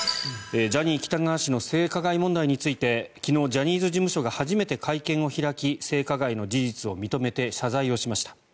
ジャニー喜多川氏の性加害問題について昨日、ジャニーズ事務所が初めて会見を開き性加害の事実を認めて謝罪しました。